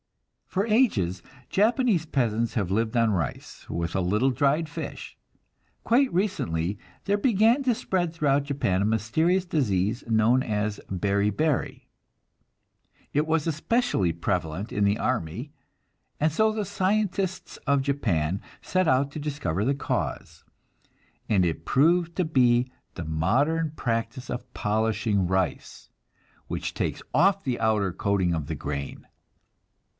For ages the Japanese peasants have lived on rice, with a little dried fish. Quite recently there began to spread throughout Japan a mysterious disease known as beri beri. It was especially prevalent in the army, and so the scientists of Japan set out to discover the cause, and it proved to be the modern practice of polishing rice, which takes off the outer coating of the grain.